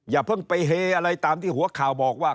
อย่าเพิ่งไปเฮอะไรตามที่หัวข่าวบอกว่า